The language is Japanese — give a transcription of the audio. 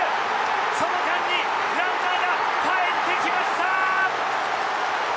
その間にランナーがかえってきました！